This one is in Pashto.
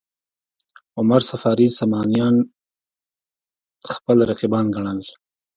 عمر صفاري سامانیان خپل رقیبان ګڼل.